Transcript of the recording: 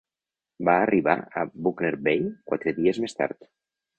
Va arribar a Buckner Bay quatre dies tard.